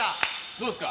どうっすか？